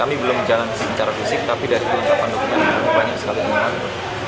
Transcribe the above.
kami belum jalan secara fisik tapi dari kelengkapan dokumen banyak sekali pengaruh